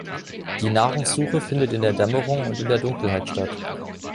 Die Nahrungssuche findet in der Dämmerung und in der Dunkelheit statt.